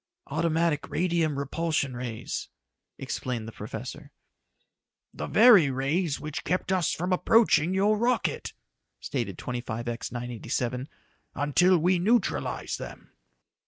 "Automatic radium repulsion rays," explained the professor. "The very rays which kept us from approaching your rocket," stated 25X 987, "until we neutralized them."